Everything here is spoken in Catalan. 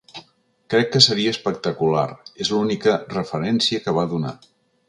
Crec que seria espectacular, és l’única referència que va donar.